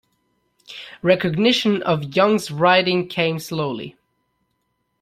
Recognition of Young's writing came slowly.